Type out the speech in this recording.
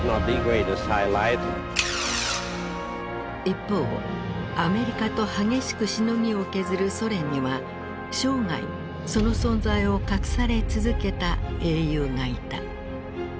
一方アメリカと激しくしのぎを削るソ連には生涯その存在を隠され続けた英雄がいた。